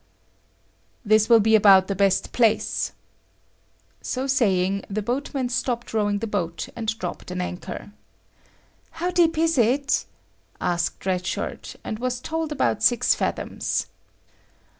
"This will be about the best place." So saying the boatman stopped rowing the boat and dropped an anchor. "How deep is it?" asked Red Shirt, and was told about six fathoms.